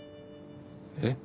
えっ？